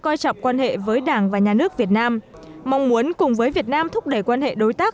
coi trọng quan hệ với đảng và nhà nước việt nam mong muốn cùng với việt nam thúc đẩy quan hệ đối tác